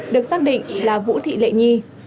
được xác định là vũ thị lệ nhi